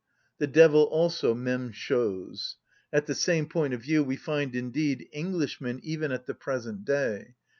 _" (The devil also même chose!) At the same point of view we find, indeed, Englishmen even at the present day.